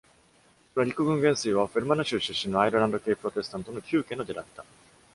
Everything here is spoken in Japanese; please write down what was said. その陸軍元帥はフェルマナ州出身のアイルランド系プロテスタントの旧家の出だった。